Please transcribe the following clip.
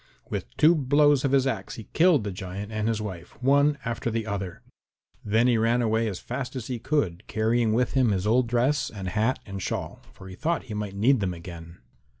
With two blows of his axe he killed the giant and his wife, one after the other. Then he ran away as fast as he could, carrying with him his old dress and hat and shawl, for he thought he might need them again.